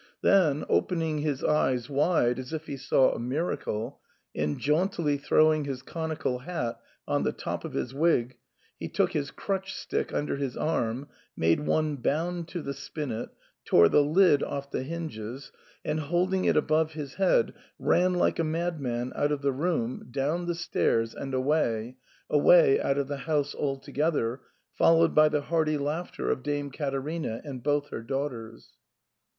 Then, opening his eyes wide as if he saw a miracle, and jauntily throwing his conical hat on the top of his wig, he took his crutch stick under his arm, made one bound to the spinet, tore the lid off the hinges, and holding it above his head, ran like a madman out of the room, down the stairs, and away, away out of the house altogether, followed by the hearty laughter of Dame Caterina and both her daughters.